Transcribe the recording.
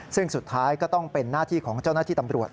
ซึ่งสุดท้ายก็ต้องเป็นหน้าที่ของเจ้าหน้าที่ตำรวจ